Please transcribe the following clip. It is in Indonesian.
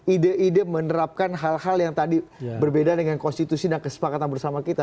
ide ide menerapkan hal hal yang tadi berbeda dengan konstitusi dan kesepakatan bersama kita